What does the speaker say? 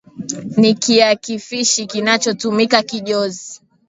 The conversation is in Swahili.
Ni kiakifishi kinachotumika kijozi.